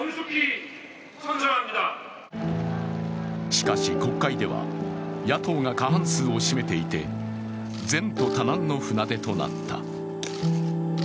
しかし国会では野党が過半数を占めていて前途多難の船出となった。